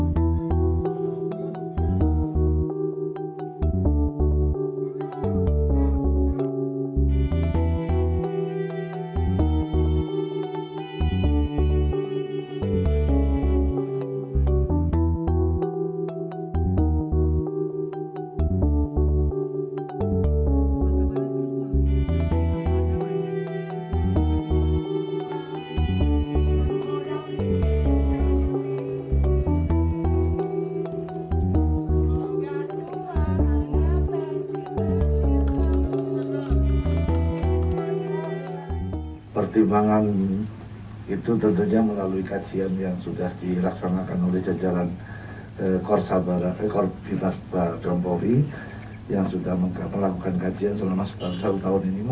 jangan lupa like share dan subscribe channel ini